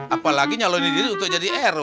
apalagi nyaloin diri untuk jadi rw